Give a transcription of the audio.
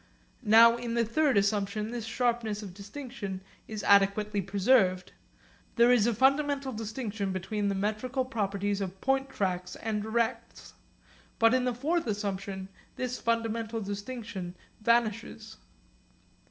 Now in the third assumption this sharpness of distinction is adequately preserved. There is a fundamental distinction between the metrical properties of point tracks and rects. But in the fourth assumption this fundamental distinction vanishes.